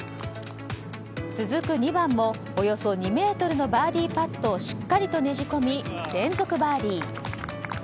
続く２番もおよそ２ｍのバーディーパットをしっかりとねじ込み連続バーディー。